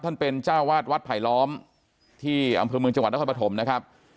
ท่านเป็นเจ้าวาดวัดไผลล้อมที่อำเภอเมืองจังหวัดนครปฐมนะครับ